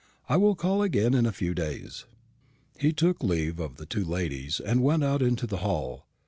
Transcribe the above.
"I will call again in a few days." He took leave of the two ladies, and went out into the hall.